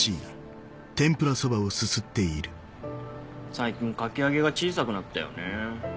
最近かき揚げが小さくなったよね。